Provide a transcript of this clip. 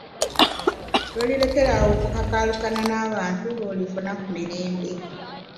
lw'olilekera awo okukakaalukana n'abantu lw'olifuna ku mirembe.